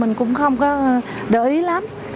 mình cũng không có đỡ ý lắm